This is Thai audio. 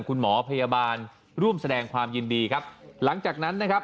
คุณหมอพยาบาลร่วมแสดงความยินดีครับหลังจากนั้นนะครับ